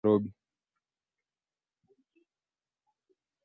kilicho chake waandamane pamoja hadi Nairobi